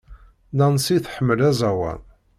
Nancy tḥemmel aẓawan.